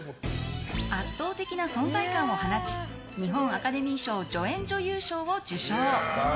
圧倒的な存在感を放ち日本アカデミー賞助演女優賞を受賞。